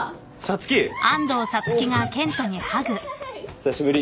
久しぶり。